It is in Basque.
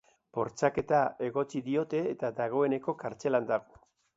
Bortxaketa egotzi diote eta dagoeneko kartzelan dago.